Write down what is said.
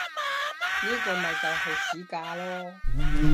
呢個咪就係市價囉